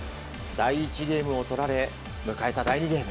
第１ゲームを取られ迎えた第２ゲーム。